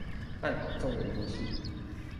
辦好眾人之事